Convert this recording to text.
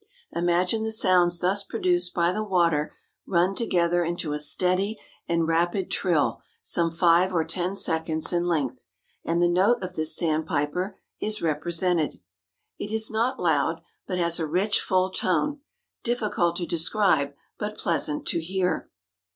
Imagine the sounds thus produced by the water run together into a steady and rapid trill some five or ten seconds in length, and the note of this Sandpiper is represented. It is not loud, but has a rich, full tone, difficult to describe, but pleasant to hear.